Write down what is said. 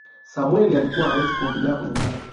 samwel alikuwa hawezi kuogelea kwenye maji